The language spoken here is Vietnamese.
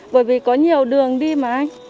bởi vì có nhiều đường đi mà anh